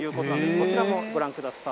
そちらもご覧ください。